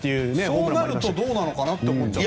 そうなるとどうなのかなと思う。